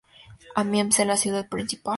Amiens es la ciudad principal.